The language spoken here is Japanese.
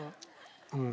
うん。